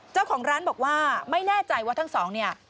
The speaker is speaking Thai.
เจ้าของร้านบอกว่าไม่แน่ใจว่าทั้งสองเนี่ย